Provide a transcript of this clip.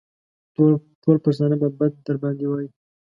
ټول پښتانه به بد در باندې وايي.